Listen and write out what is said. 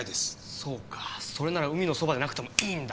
そうかそれなら海のそばでなくてもいいんだ。